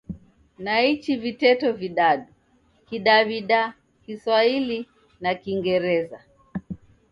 Naichi viteto vidadu: Kidaw'ida, Kiswahili na Kingereza.